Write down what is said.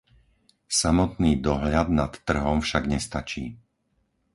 Samotný dohľad nad trhom však nestačí.